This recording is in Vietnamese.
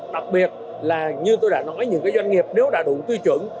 đặc biệt là như tôi đã nói những cái doanh nghiệp nếu đã đủ tư chuẩn